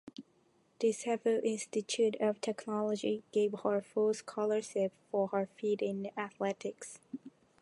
The Cebu Institute of Technology gave her full scholarship for her feat in athletics.